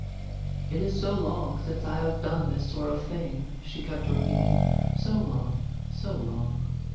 " It is so long since I have done this sort of thing," she kept repeating; "so long, so long.